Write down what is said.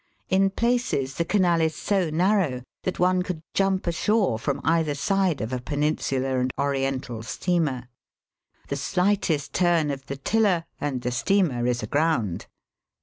In places the canal is so narrow that one could jump ashore from either side of a Peninsular and Oriental steamer. The shghtest turn of the tiller and the steamer is aground.